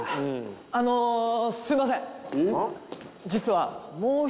あのすいませんうん？